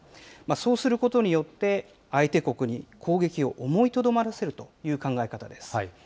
そうすることによって、相手国に攻撃を思いとどまらせるという考え方です。